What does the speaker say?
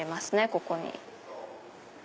ここに。